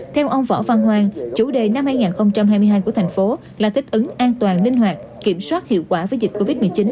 theo ông võ văn hoàng chủ đề năm hai nghìn hai mươi hai của thành phố là thích ứng an toàn linh hoạt kiểm soát hiệu quả với dịch covid một mươi chín